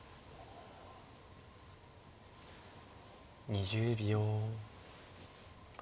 ２０秒。